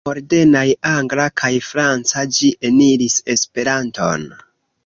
De la modernaj angla kaj franca ĝi eniris Esperanton.